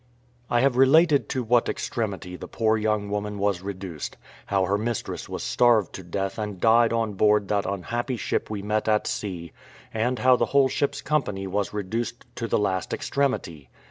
I have related to what extremity the poor young woman was reduced; how her mistress was starved to death, and died on board that unhappy ship we met at sea, and how the whole ship's company was reduced to the last extremity.